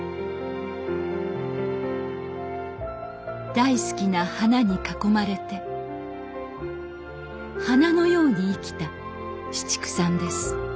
大好きな花に囲まれて花のように生きた紫竹さんです